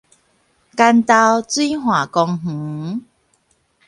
關渡水岸公園